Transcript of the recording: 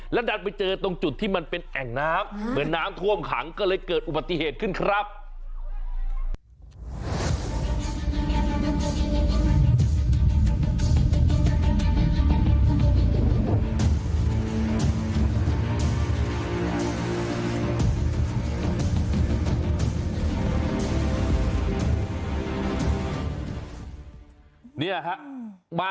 ดันไปเจอตรงจุดที่มันเป็นแอ่งน้ำเหมือนน้ำท่วมขังก็เลยเกิดอุบัติเหตุขึ้นครับ